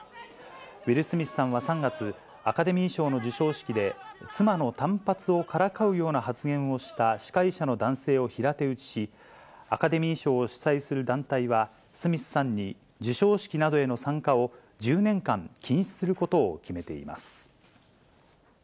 ウィル・スミスさんは３月、アカデミー賞の授賞式で、妻の短髪をからかうような発言をした司会者の男性を平手打ちし、アカデミー賞を主催する団体は、スミスさんに授賞式などへの参加を１０年間禁止することを決めています。